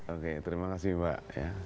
oke terima kasih mbak